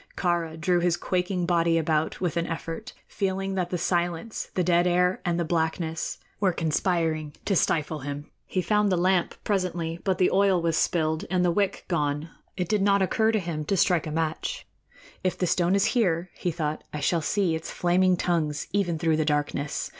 Kāra drew his quaking body about with an effort, feeling that the silence, the dead air and the blackness were conspiring to stifle him. He found the lamp presently, but the oil was spilled and the wick gone. It did not occur to him to strike a match. "If the stone is here," he thought, "I shall see its flaming tongues even through the darkness.